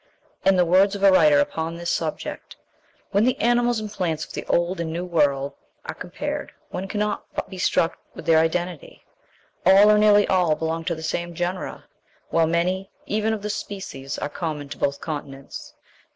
In the words of a writer upon this subject, "When the animals and plants of the Old and New World are compared, one cannot but be struck with their identity; all or nearly all belong to the same genera, while many, even of the species, are common to both continents.